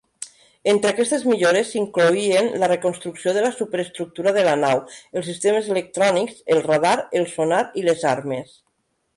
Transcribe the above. Entre aquestes millores s'incloïen la reconstrucció de la superestructura de la nau, els sistemes electrònics, el radar, el sonar i les armes.